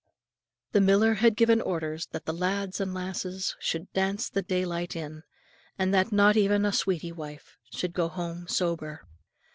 The miller had given orders that the lads and lasses should "dance the day light in," and that not even a "sweetie wife" should go home sober.